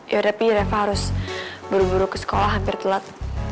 yaudah tapi reva harus buru buru ke sekolah hampir telat